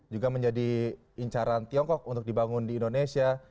juga menjadi incaran tiongkok untuk dibangun di indonesia